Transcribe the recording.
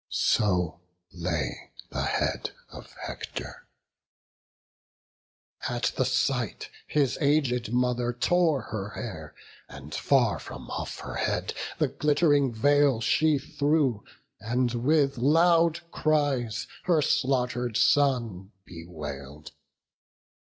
So lay the head of Hector; at the sight His aged mother tore her hair, and far From off her head the glitt'ring veil she threw, And with loud cries her slaughter'd son bewail'd.